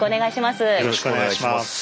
よろしくお願いします。